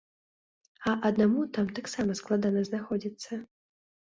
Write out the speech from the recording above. А аднаму там таксама складана знаходзіцца.